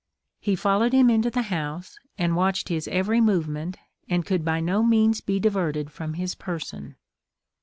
He followed him into the house, and watched his every movement, and could by no means be diverted from his person.